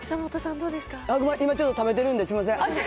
今ちょうど食べてるんで、すみません。